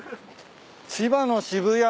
千葉の渋谷。